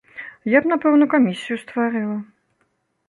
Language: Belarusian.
Я б напэўна камісію стварыла.